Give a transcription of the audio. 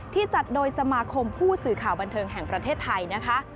จัดโดยสมาคมผู้สื่อข่าวบันเทิงแห่งประเทศไทยนะคะ